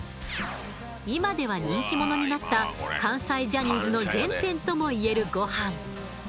今では人気者になった関西ジャニーズの原点とも言えるゴハン。